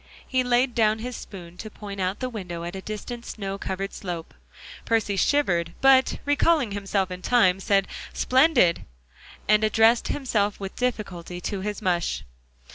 He laid down his spoon to point out the window at a distant snow covered slope. Percy shivered, but recalling himself in time, said "Splendid," and addressed himself with difficulty to his mush.